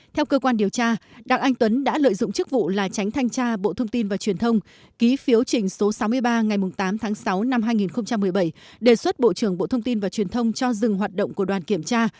theo cơ quan điều tra đặng anh tuấn đã lợi dụng chức vụ là tránh thanh tra bộ thông tin và truyền thông ký phiếu trình số sáu mươi ba ngày tám tháng sáu năm hai nghìn một mươi bảy đề xuất bộ trưởng bộ thông tin và truyền thông cho dừng hoạt động của đoàn kiểm tra